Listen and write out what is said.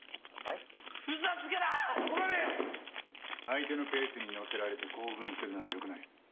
「相手のペースに乗せられて興奮するのはよくない」